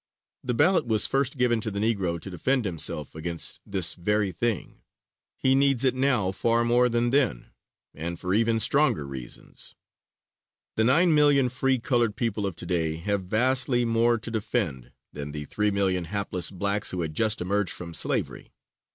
The ballot was first given to the Negro to defend him against this very thing. He needs it now far more than then, and for even stronger reasons. The 9,000,000 free colored people of to day have vastly more to defend than the 3,000,000 hapless blacks who had just emerged from slavery.